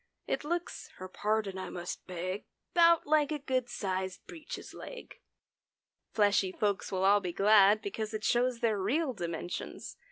It looks (her pardon I must beg), 'Bout like a good sized breeches leg. Fleshy folks will all be glad Because it shows their real dimensions.